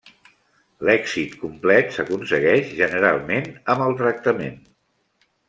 L'èxit complet s'aconsegueix generalment amb el tractament.